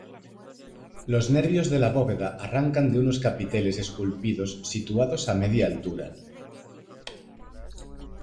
Los nervios de la bóveda arrancan de unos capiteles esculpidos situados a media altura.